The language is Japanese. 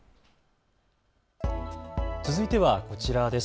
続いてはこちらです。